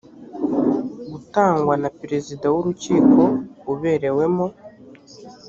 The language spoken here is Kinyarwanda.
gutangwa na perezida w urukiko uberewemo